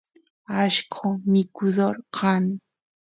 allqo mikudor kan